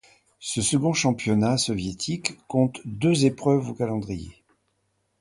Ce second championnat soviétique compte deux épreuves au calendrier.